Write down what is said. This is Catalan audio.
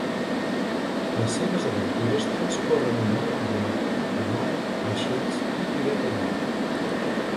Les seves aventures transcorren en un ambient de mar, vaixells i pirateria.